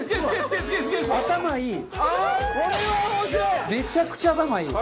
めちゃくちゃ頭いい。